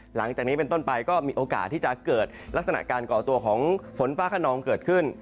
หลังจากนี้เป็นต้นไปก็มีโอกาสที่จะเกิดลักษณะการก่อตัวของฝนฟ้าขนองเกิดขึ้น